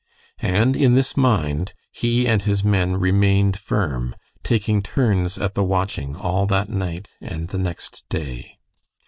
And in this mind he and his men remained firm, taking turns at the watching all that night and the next day.